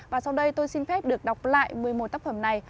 và sau đây tôi xin phép được đọc lại một mươi một tác phẩm này